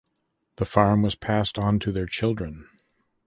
The farm was passed on to their children.